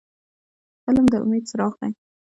فلم د امید څراغ دی